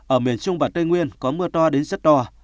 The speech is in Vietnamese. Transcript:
ở miền trung và tây nguyên có mưa to đến rất to